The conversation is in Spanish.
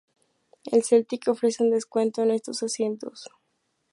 El Celtic ofrece un descuento en estos asientos.